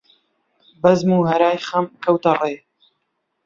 بەزم و هەرای خەم کەوتە ڕێ